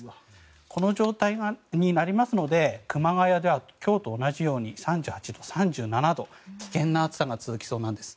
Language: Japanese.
この状態になりますので熊谷では今日と同じように３８度、３７度危険な暑さが続きそうなんです。